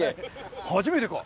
初めてか？